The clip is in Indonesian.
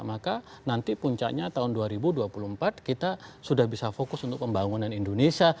maka nanti puncaknya tahun dua ribu dua puluh empat kita sudah bisa fokus untuk pembangunan indonesia